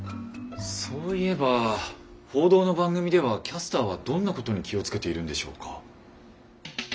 そういえば報道の番組ではキャスターはどんなことに気を付けているんでしょうか？